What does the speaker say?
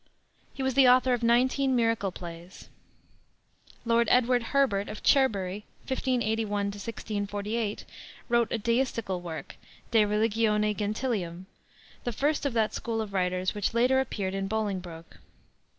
He was the author of nineteen miracle plays. Lord Edward Herbert, of Cherbury (1581 1648), wrote a deistical work, De Religione Gentilium, the first of that school of writers which later appeared in Bolingbroke.